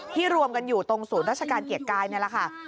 รวมกันอยู่ตรงศูนย์ราชการเกียรติกายนี่แหละค่ะ